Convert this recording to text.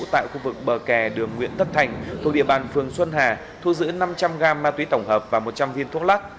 tại khu vực bờ kè đường nguyễn tất thành thuộc địa bàn phường xuân hà thu giữ năm trăm linh g ma túy tổng hợp và một trăm linh viên thuốc lắc